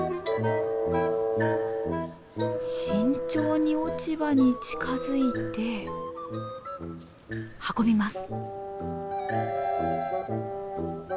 慎重に落ち葉に近づいて運びます。